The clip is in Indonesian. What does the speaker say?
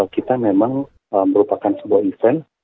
kita memang merupakan sebuah event